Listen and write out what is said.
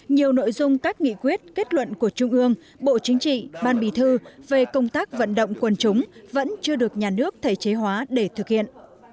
nhiều nội dung các nghị quyết kết luận của trung ương bộ chính trị ban bì thư về công tác vận động quân chúng vẫn chưa được nhà nước thể chế hóa để thực hiện